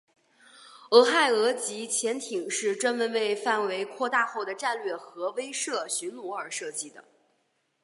俄亥俄级潜艇是专门为范围扩展后的战略核威慑巡逻而设计的。